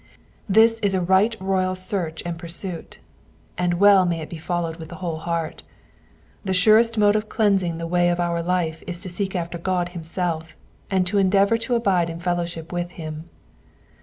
This is a right royal search and pursuit, and well may it be followed with the whole heart. The surest mode of cleansing the way of our life is to seek after God himself, and to endeavour to abide in fellowship with him.